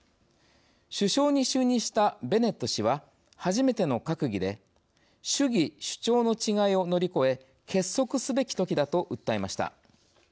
首相に就任したベネット氏は初めての閣議で主義・主張の違いを乗り越え結束すべきときだと訴えました。